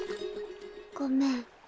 ごめん。